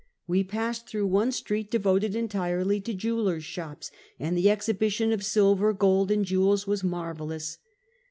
We passed through one street devoted entirely to jewelers' shops, and the exhibition of silver, gold and jewels was marvelous.